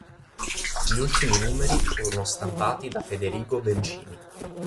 Gli ultimi numeri furono stampati da Federigo Bencini.